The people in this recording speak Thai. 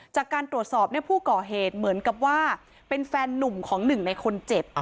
จากการตรวจสอบผู้ก่อเหตุเหมือนกับว่าเป็นแฟนนุ่มของหนึ่งในคนเจ็บ